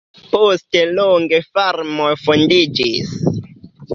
Poste longe farmoj fondiĝis.